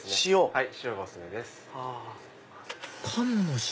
はい。